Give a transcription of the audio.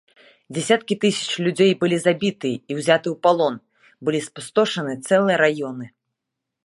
Дзясяткі тысяч людзей былі забіты і ўзяты ў палон, былі спустошаны цэлыя раёны.